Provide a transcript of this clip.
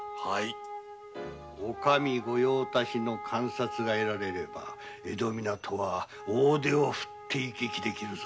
お上御用達の鑑札が得られれば江戸湊は大手を振って往来できるぞ。